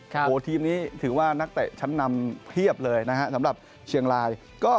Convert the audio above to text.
โอ้โหทีมนี้ถือว่านักเตะชั้นนำเพียบเลยนะฮะสำหรับเชียงราย